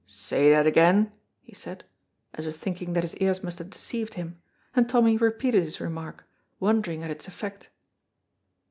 "Say that again," ha said, as if thinking that his ears must have deceived him, and Tommy repeated his remark, wondering at its effect.